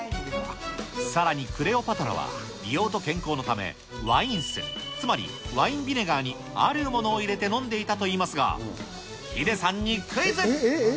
さらにクレオパトラは美容と健康のため、ワイン酢、つまりワインビネガーにあるものを入れて飲んでいたといいますが、ヒデさんにクイズ。